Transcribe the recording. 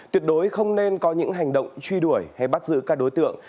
tuyệt đối không nên có những hành động truy đuổi hay bắt giữ các đối tượng